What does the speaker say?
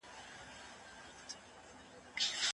که شتمني پټه سي نو اقتصاد ته زیان رسیږي.